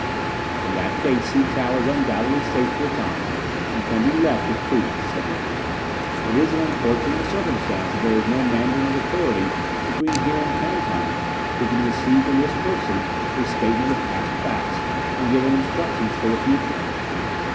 "In that case Si chow is undoubtedly safe for the time, and can be left with prudence," said Ling. "It is an unfortunate circumstance that there is no Mandarin of authority between here and Canton who can receive from this person a statement of past facts and give him instructions for the future."